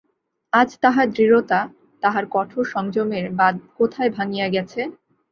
আজ তাহার দৃঢ়তা, তাহার কঠোর সংযমের বাঁধ কোথায় ভাঙিয়া গেছে।